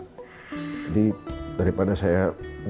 jadi daripada saya gak bisa tidur karena nyamuk